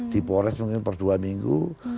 di pores mungkin per dua minggu